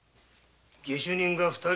下手人が二人？